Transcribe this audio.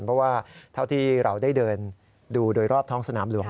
เพราะว่าเท่าที่เราได้เดินดูโดยรอบท้องสนามหลวง